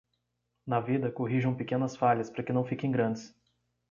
Na vida, corrijam pequenas falhas para que não fiquem grandes.